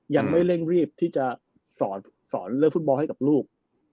ยังไม่เร่งรีบที่จะสอนเรื่องฟุตบอลให้กับลูก